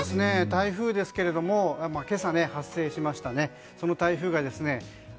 台風ですけれども今朝、発生しましたね。